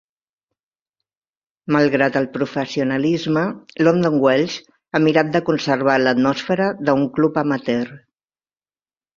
Malgrat el professionalisme, London Welsh ha mirat de conservar l'atmosfera d'un club amateur.